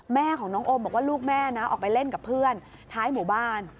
แม่ของน้องโอมบอกว่าลูกแม่นะออกไปเล่นกับเพื่อนท้ายหมู่บ้าน